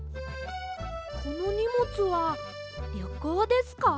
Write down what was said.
このにもつはりょこうですか？